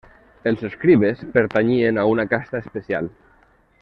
Els escribes pertanyien a una casta especial.